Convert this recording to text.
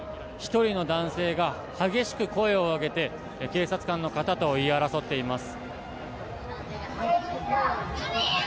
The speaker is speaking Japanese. １人の男性が激しく声を上げて警察官の方と言い争っています。